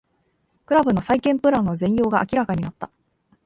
クラブの再建プランの全容が明らかになった